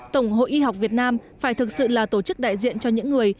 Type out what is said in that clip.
tổng hội y học việt nam phải thực sự là tổ chức đại diện cho những người